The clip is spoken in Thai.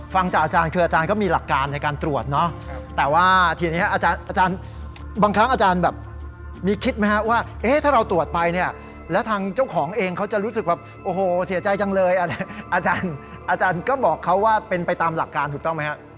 ฟังจากอาจารย์คืออาจารย์ก็มีหลักการในการตรวจเนาะแต่ว่าทีนี้อาจารย์บางครั้งอาจารย์แบบมีคิดไหมฮะว่าเอ๊ะถ้าเราตรวจไปเนี่ยแล้วทางเจ้าของเองเขาจะรู้สึกแบบโอ้โหเสียใจจังเลยอาจารย์ก็บอกเขาว่าเป็นไปตามหลักการถูกต้องไหมฮะ